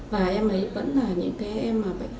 và em ấy vẫn là những cái em